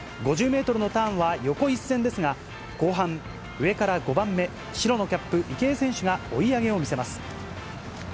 ５０メートルのターンは、横一線ですが、後半、上から５番目、白のキャップ、池江選手が追い上げを見せます。